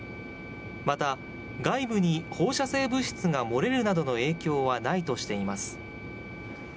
また、外部に放射性物質が漏れるなどの影響はないとしています。